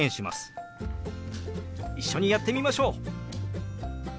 一緒にやってみましょう。